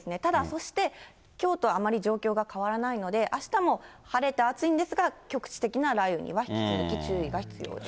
そして、きょうとあまり状況が変わらないので、あしたも、晴れて暑いんですが、局地的な雷雨には引き続き注意が必要です。